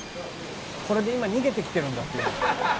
これで今逃げてきてるんだっていうのを。